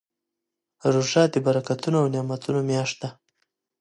روژه د برکتونو او نعمتونو میاشت ده.